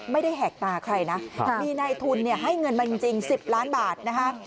ไม่ได้แหกตาใครนะมีในทุนให้เงินมาจริง๑๐ล้านบาทนะฮะ